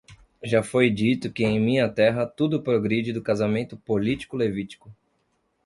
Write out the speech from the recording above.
Já foi dito que em minha terra tudo progride do casamento político levítico.